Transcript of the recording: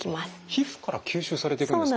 皮膚から吸収されていくんですか。